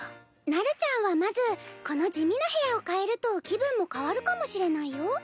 なるちゃんはまずこの地味な部屋を変えると気分も変わるかもしれないよ。